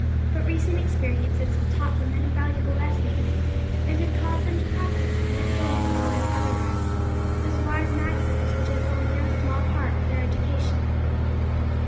But recent experiences had taught them many valuable lessons, and had caused them to practise, more fully than they would have otherwise, those wise maxims which had formed no small part of their education.